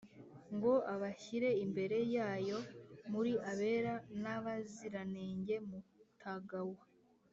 ngo abashyire imbere yayo muri abera n’abaziranenge mutagawa